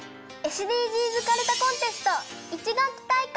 ＳＤＧｓかるたコンテスト１学期大会。